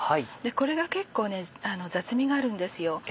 これが結構雑味があるんですよ。